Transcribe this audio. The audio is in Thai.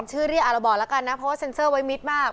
ชื่อเรียกเราบอกแล้วกันนะเพราะว่าเซ็นเซอร์ไว้มิดมาก